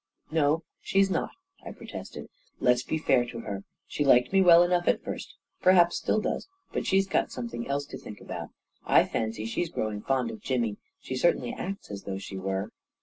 44 No she's not," I protested. " Let's be fair to hen She liked me well enough at first — perhaps still does; but she's got something else to think about. I fancy she's growing fond of Jimmy — she certainly acts as though she were."